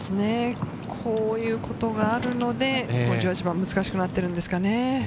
こういうことがあるので、１８番は難しくなってるんですかね。